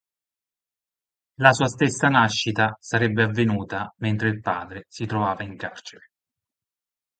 La sua stessa nascita sarebbe avvenuta mentre il padre si trovava in carcere..